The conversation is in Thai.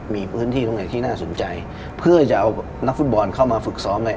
มีพื้นที่ตรงไหนที่น่าสนใจเพื่อจะเอานักฟุตบอลเข้ามาฝึกซ้อมใน